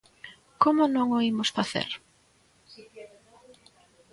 ¿Como non o imos facer?